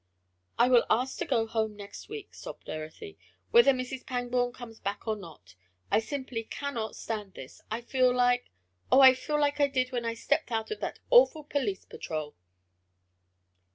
"I will ask to go home next week," sobbed Dorothy, "whether Mrs. Pangborn comes back or not. I simply cannot stand this I feel like Oh, I feel like I did when I stepped out of that awful police patrol."